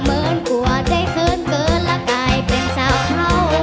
เหมือนกว่าได้เขินเกินและกลายเป็นสาวเผา